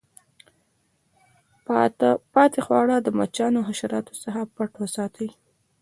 پاته خواړه د مچانو او حشراتو څخه پټ وساتئ.